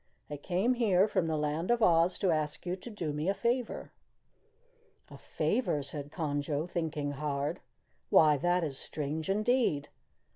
I came here from the Land of Oz to ask you to do me a favor." "A favor?" said Conjo, thinking hard. "Why, that is strange indeed!